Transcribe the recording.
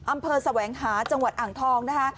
อำเภอสวัยอังหาจังหวัดอ่างทองนะคะ